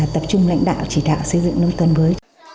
tập trung lãnh đạo chỉ đạo xây dựng nông thôn mới